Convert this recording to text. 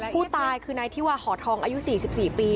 ผู้ตายคือนายธิวาหอทองอายุ๔๔ปี